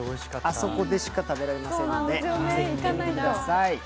あそこでしか食べられませんので、ぜひ行ってみてください。